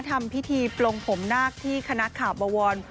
ทำพิธีปลงผมนาคที่คณะขาบวร